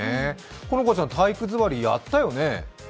好花ちゃん、体育座りやったよね？